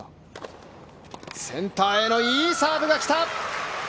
センターへのいいサーブが来た。